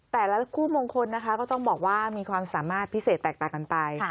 แต่ละคู่มงคลนะคะก็ต้องบอกว่ามีความสามารถพิเศษแตกต่างกันไป